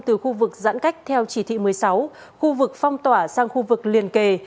từ khu vực giãn cách theo chỉ thị một mươi sáu khu vực phong tỏa sang khu vực liền kề